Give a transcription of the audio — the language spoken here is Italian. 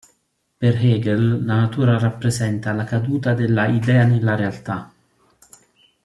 Per Hegel la natura rappresenta la caduta della Idea nella realtà.